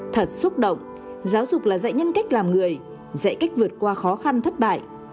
thật xúc động giáo dục là dạy nhân cách làm người dạy cách vượt qua khó khăn thất bại